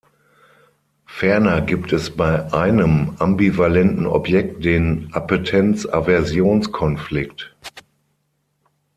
Ferner gibt es bei "einem" ambivalenten Objekt den "Appetenz-Aversions-Konflikt".